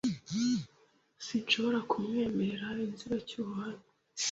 Sinshobora kukwemerera inzibacyuho hano